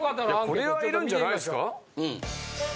いやこれはいるんじゃないですか。